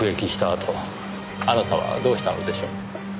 あとあなたはどうしたのでしょう？